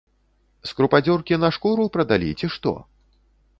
З крупадзёркі на шкуру прадалі, ці што?